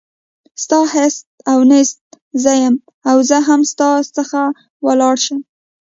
ستا هست او نیست زه یم او زه هم ستا څخه ولاړه شم.